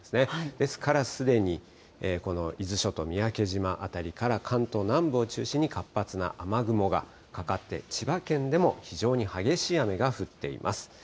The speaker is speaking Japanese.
ですからすでにこの伊豆諸島、三宅島辺りから、関東南部を中心に活発な雨雲がかかって、千葉県でも非常に激しい雨が降っています。